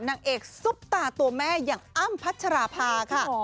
นางเอกซุปตาตัวแม่อย่างอ้ำพัชราภาค่ะ